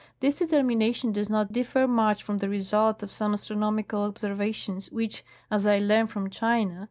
This determination does not differ much from the result of some astronomical observations, which, as I learn from China, M.